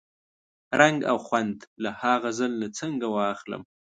رنګ او خوند له ها غزل نه څنګه واخلم؟